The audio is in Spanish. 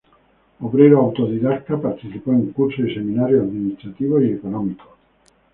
Obrero autodidacta, participó en cursos y seminarios administrativos y económicos.